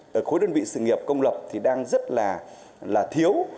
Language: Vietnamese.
rồi khối đơn vị sự nghiệp công lập thì đang rất là thiếu